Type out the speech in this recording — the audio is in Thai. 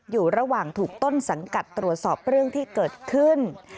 อยู่ระหว่างถูกต้นสังกัดตรวจสอบเรื่องที่เกิดขึ้น